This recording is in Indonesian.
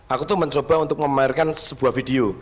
aku tuh mencoba untuk memamerkan sebuah video